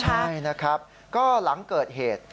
ใช่นะครับก็หลังเกิดเหตุ